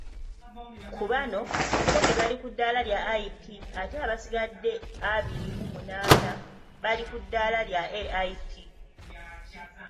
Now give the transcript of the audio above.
Kubano, kkumi bali kuddaala lya IP ate abasigadde abiri mu munaana bali ku ddaala lya AIP.